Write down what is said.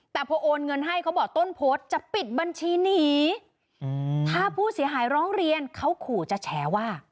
แต่พอโอนเงินให้เขาบอกต้นโพสต์จะปิดบัญชีหนีถ้าผู้เสียหายร้องเรียนเขาขู่จะแฉว่า